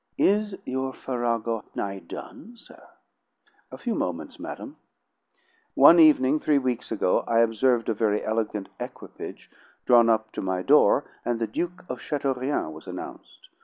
"Is your farrago nigh done, sir?" "A few moments, madam. One evening, three weeks gone, I observed a very elegant equipage draw up to my door, and the Duke of Chateaurien was announced.